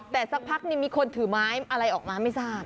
แต่สักพักนึงมีคนถือไม้อะไรออกมาไม่ทราบ